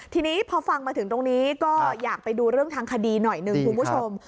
ทีนี้พอฟังมาถึงตรงนี้ก็อยากไปดูเรื่องทางคดีหน่อยหนึ่งคุณผู้ชม